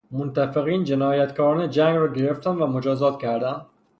متفقین جنایتکاران جنگ را گرفتند و مجازات کردند.